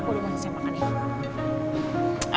aku udah gak siap makan ya